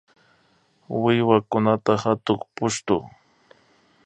Wiwakunata hatuy pushtu